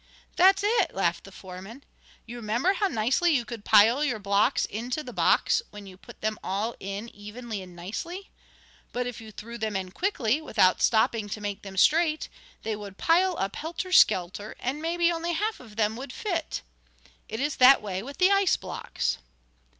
"That's it!" laughed the foreman. "You remember how nicely you could pile your blocks into the box, when you put them all in evenly and nicely. But if you threw them in quickly, without stopping to make them straight, they would pile up helter skelter, and maybe only half of them would fit. It is that way with the ice blocks."